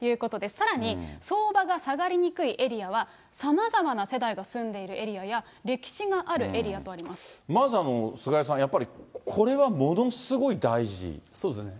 さらに相場が下がりにくいエリアは、さまざまな世代が住んでいるエリアや、歴史があるエリアとあまず、菅井さん、これはものそうですね。